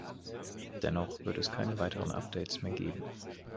Dennoch wird es keine weiteren Updates mehr geben.